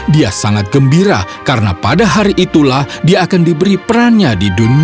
dia sangat gembira karena pada hari itulah dia akan diberi perannya di dunia